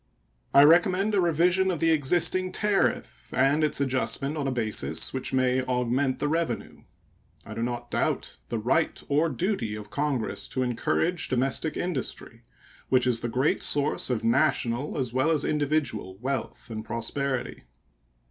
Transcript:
I recommend a revision of the existing tariff and its adjustment on a basis which may augment the revenue. I do not doubt the right or duty of Congress to encourage domestic industry, which is the great source of national as well as individual wealth and prosperity.